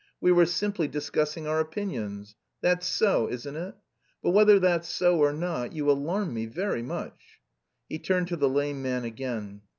We were simply discussing our opinions. That's so, isn't it? But whether that's so or not, you alarm me very much." He turned to the lame man again.